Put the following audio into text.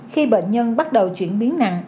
khi bệnh nhân bắt đầu chuyển biến nặng